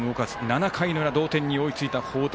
７回の裏、同点に追いついた報徳。